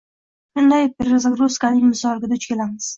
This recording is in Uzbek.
shunday “perezagruzka”ning misoliga duch kelamiz.